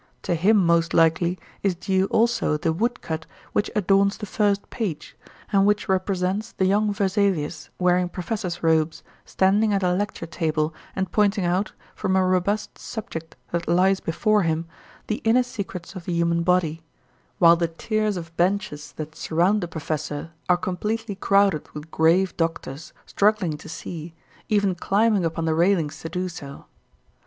To him most likely is due also the woodcut which adorns the first page, and which represents the young Vesalius, wearing professor's robes, standing at a lecture table and pointing out, from a robust subject that lies before him, the inner secrets of the human body; while the tiers of benches that surround the professor are completely crowded with grave doctors struggling to see, even climbing upon the railings to do so.